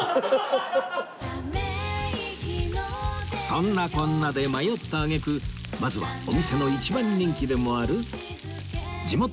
そんなこんなで迷った揚げ句まずはお店の一番人気でもある地元